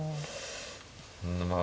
うんまあ